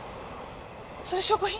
それ証拠品？